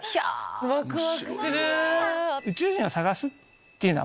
ワクワクする！